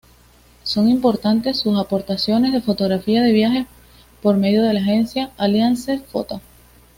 Son importantes sus aportaciones de fotografía de viajes por medio de la agencia Alliance-Photo.